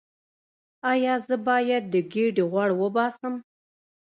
ایا زه باید د ګیډې غوړ وباسم؟